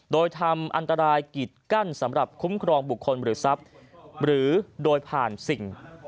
โดยทำอันตรายกิดกั้นสำหรับคุ้มครองบุคคลหรือทรัพย์หรือโดยผ่านสิ่ง